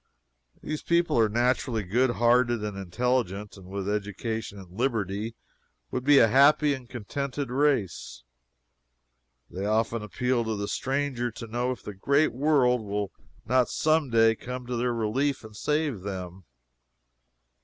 These people are naturally good hearted and intelligent, and with education and liberty, would be a happy and contented race. They often appeal to the stranger to know if the great world will not some day come to their relief and save them.